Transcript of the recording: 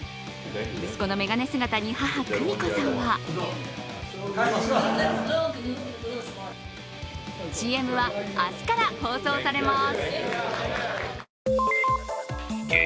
息子のめがね姿に母・久美子さんはＣＭは明日から放送されます。